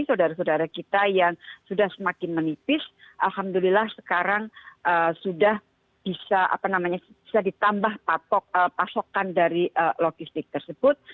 saudara saudara kita yang sudah semakin menipis alhamdulillah sekarang sudah bisa ditambah pasokan dari logistik tersebut